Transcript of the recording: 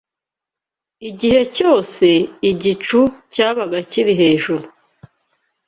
Igihe cyose igicu cyabaga kikiri hejuru